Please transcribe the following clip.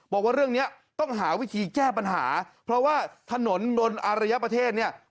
บอกว่าเรื่องนี้ต้องหาวิธีแก้ปัญหาเพราะว่าถนนบนอารยประเทศเนี่ย